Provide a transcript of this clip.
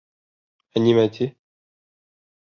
— Ә нимә ти?